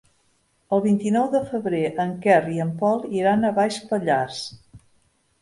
El vint-i-nou de febrer en Quer i en Pol iran a Baix Pallars.